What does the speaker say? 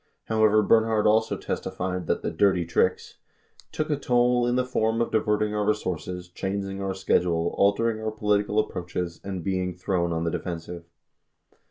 91 However, Bernhard also testified that the "dirty tricks" ... took a toll in the form of diverting our resources, chang ing our schedules, altering our political approaches, and be ing thrown on the defensive.